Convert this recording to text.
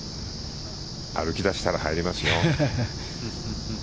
歩き出したら入りますよ。